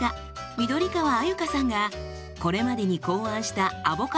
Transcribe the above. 緑川鮎香さんがこれまでに考案したアボカドレシピ